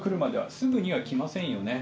すぐには来ませんよね。